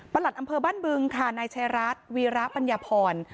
หลัดอำเภอบ้านบึงค่ะนายชายรัฐวีระปัญญาพร